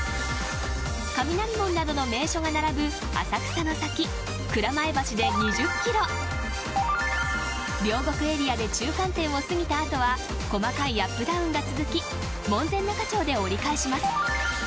雷門などの名所が並ぶ浅草の先、蔵前橋で２０キロ両国エリアで中間点を過ぎた後は細かいアップダウンが続き門前仲町で折り返します。